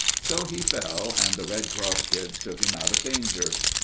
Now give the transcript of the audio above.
So he fell, and the red cross kids took him out of danger.